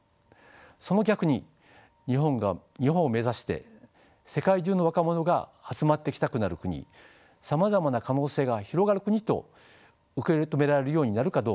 その逆に日本を目指して世界中の若者が集まってきたくなる国さまざまな可能性が広がる国と受け止められようになるかどうか。